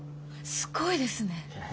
すごいですね。